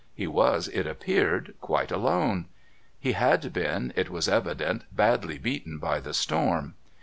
He was, it appeared, quite alone; he had been, it was evident, badly beaten by the storm.